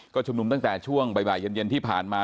ก็ชุมนุมตั้งแต่ช่วงบ่ายเย็นที่ผ่านมา